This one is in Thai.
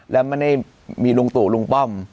และไม่ได้มีลุงตู่ลุงป้อม